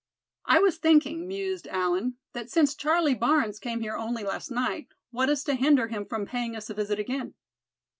"I was thinking," mused Allan, "that since Charlie Barnes came here only last night, what is to hinder him from paying us a visit again?"